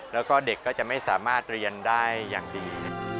แล้วก็เด็กก็จะไม่สามารถเรียนได้อย่างดี